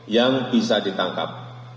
yang bisa ditangkap